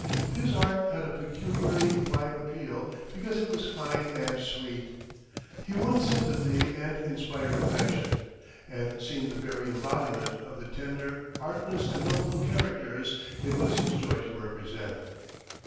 His art had a peculiarly wide appeal because it was fine and sweet; he won sympathy and inspired affection; and seemed the very embodiment of the tender, artless and lovable characters it was his joy to represent.